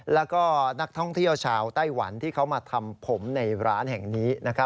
แล้วก็นักท่องเที่ยวชาวไต้หวันที่เขามาทำผมในร้านแห่งนี้